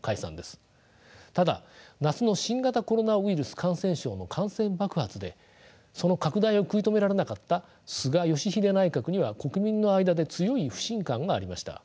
ただ夏の新型コロナウイルス感染症の感染爆発でその拡大を食い止められなかった菅義偉内閣には国民の間で強い不信感がありました。